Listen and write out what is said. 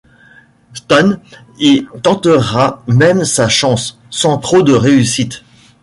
Stan y tentera même sa chance, sans trop de réussite.